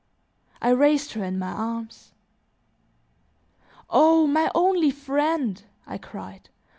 I raised her in my arms. "O my only friend!" I cried.